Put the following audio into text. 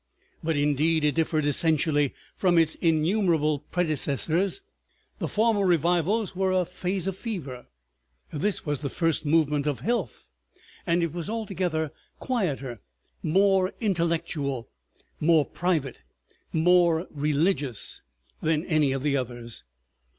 But indeed it differed essentially from its innumerable predecessors. The former revivals were a phase of fever, this was the first movement of health, it was altogether quieter, more intellectual, more private, more religious than any of those others.